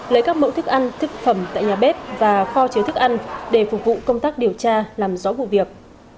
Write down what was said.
lấy các mẫu thức ăn thực phẩm tại nhà bếp và kho chứa thức ăn để phục vụ công tác điều tra làm rõ vụ việc